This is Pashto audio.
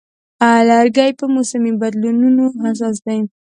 لرګی په موسمي بدلونونو حساس دی.